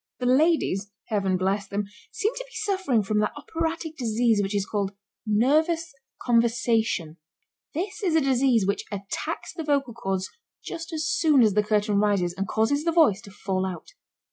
The ladies, Heaven bless them! seemed to be suffering from that operatic disease which is called nervous conversation. This is a disease which attacks the vocal chords just as soon as the curtain rises and causes the voice to fall out.